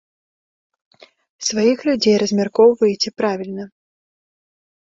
Сваіх людзей размяркоўваеце правільна.